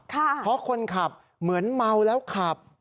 เพราะคนขับเหมือนเมาแล้วขับ